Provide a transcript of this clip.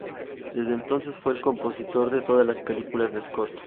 Desde entonces, fue el compositor de todas las películas de Scott.